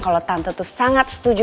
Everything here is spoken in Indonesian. kalo tante tuh sangat setuju